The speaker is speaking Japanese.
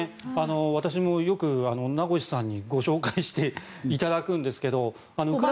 私もよく名越さんにご紹介いただくんですが。